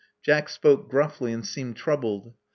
Jack spoke gruffly, and seemed troubled.